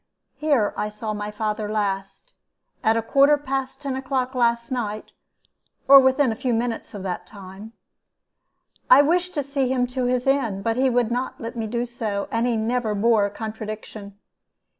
'Here I saw my father last, at a quarter past ten o'clock last night, or within a few minutes of that time.' I wished to see him to his inn, but he would not let me do so, and he never bore contradiction.